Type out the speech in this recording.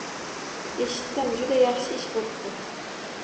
— Eshitdim. Juda yaxshi ish bo‘pti.